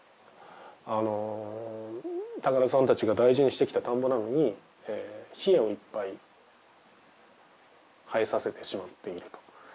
あのタカダさんたちが大事にしてきた田んぼなのにヒエをいっぱい生えさせてしまっていると。